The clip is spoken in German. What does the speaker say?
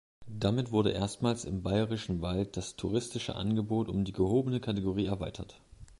Damit wurde erstmals im Bayerischen Wald das touristische Angebot um die gehobene Kategorie erweitert.